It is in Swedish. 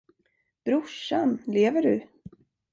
Brorsan, lever du?